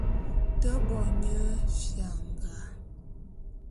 Te bo nye fianga.